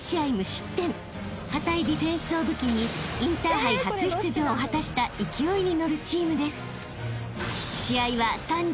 ［堅いディフェンスを武器にインターハイ初出場を果たした勢いに乗るチームです］